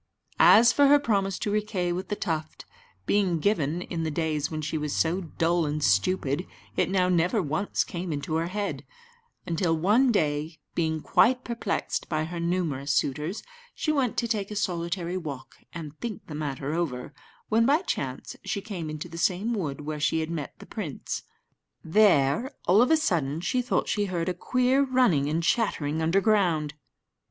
As for her promise to Riquet with the Tuft, being given in the days when she was so dull and stupid, it now never once came into her head; until one day, being quite perplexed by her numerous suitors, she went to take a solitary walk and think the matter over, when by chance she came into the same wood where she had met the prince. There, all of a sudden, she thought she heard a queer running about and chattering underground.